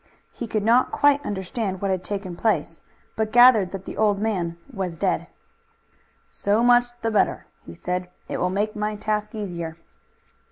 He could not quite understand what had taken place, but gathered that the old man was dead. "So much the better!" he said. "It will make my task easier."